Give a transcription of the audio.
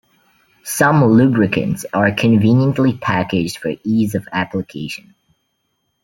Some lubricants are conveniently packaged for ease of application.